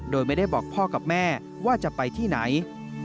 โดยไม่ได้บอกพ่อกับแม่ว่าจะไปที่ไหน